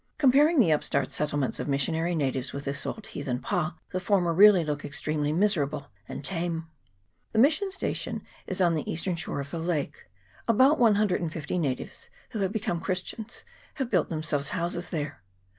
Comparing the upstart settlements of mis sionary natives with this old heathen pa, the former really look extremely miserable and tame. The mission station is on the eastern shore of the lake. About 150 natives, who have become Christians, have built themselves houses there.